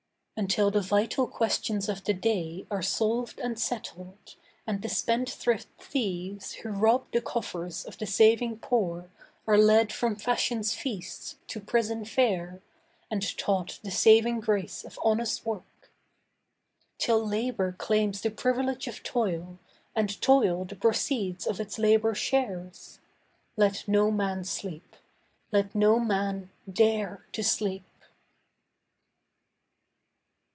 Until the vital questions of the day Are solved and settled, and the spendthrift thieves Who rob the coffers of the saving poor Are led from fashion's feasts to prison fare, And taught the saving grace of honest work— Till Labour claims the privilege of toil And toil the proceeds of its labour shares— Let no man sleep, let no man dare to sleep!